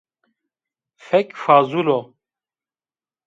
Fekfazul o